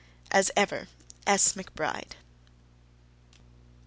As ever, S. McBRIDE.